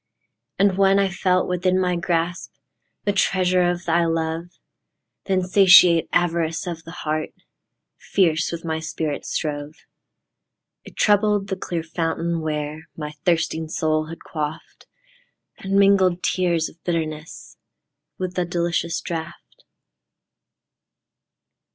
And when I felt within my grasp, The treasure of thy love; The insatiate avarice of the heart Fierce with my spirit strove.It troubled the clear fountain where My thirsting soul had quaffed, And mingled tears of bitterness With the delicious draught.